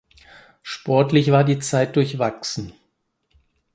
Sportlich war die Zeit durchwachsen.